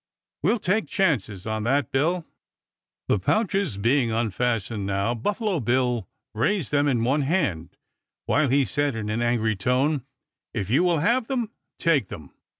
"We'll take chances on that, Bill." The pouches being unfastened now, Buffalo Bill raised them in one hand, while he said in an angry tone: "If you will have them, take them."